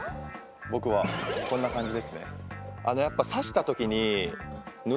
ボクはこんな感じですね。